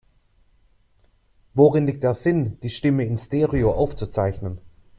Worin liegt der Sinn, die Stimme in Stereo aufzuzeichnen?